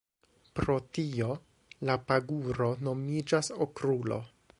Pro tio, la paguro nomiĝas Okrulo.